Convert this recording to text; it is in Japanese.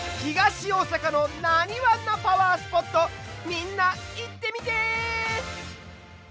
みんな行ってみて！